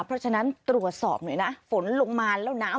เพราะฉะนั้นตรวจสอบหน่อยนะฝนลงมาแล้วน้ำ